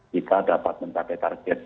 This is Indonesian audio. kita dapat mencapai target